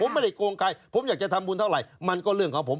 ผมไม่ได้โกงใครผมอยากจะทำบุญเท่าไหร่มันก็เรื่องของผม